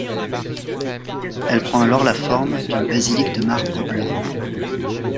Elle prend alors la forme d'une basilique de marbre blanc.